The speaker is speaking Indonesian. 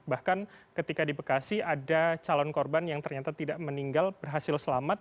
bahkan ketika di bekasi ada calon korban yang ternyata tidak meninggal berhasil selamat